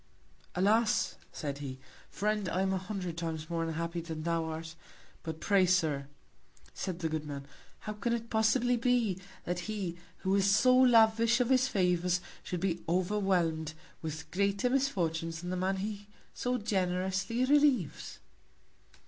Alas! said he, Friend, I am a hundred Times more unhappy than thou art. But pray, Sir, said the good Man, how can it possibly be, that he, who is so lavish of his Favours, should be overwhelm'd with greater Misfortunes than the Man he so generously relieves?